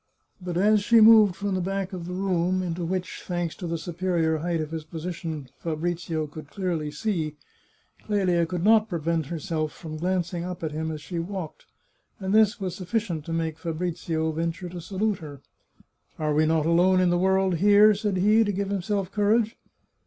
But as she moved from the back of the room, into which, thanks to the superior height of his position, Fabrizio could clearly see, Clelia could not prevent herself from glancing up at him as she walked, and this was sufficient to make Fabrizio ven ture to salute her. " Are we not alone in the world here ?" said he, to give himself courage.